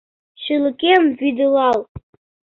Шÿлыкем вÿдылал